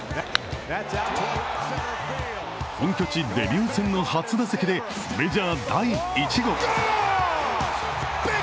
本拠地デビュー戦の初打席でメジャー第１号。